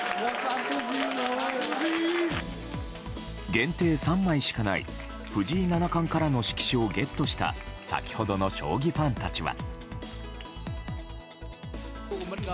限定３枚しかない藤井七冠からの色紙をゲットした先ほどの将棋ファンたちは。